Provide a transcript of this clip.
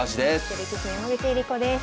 女流棋士の山口恵梨子です。